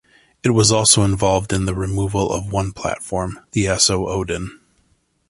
It was also involved in the removal of one platform, the Esso Odin.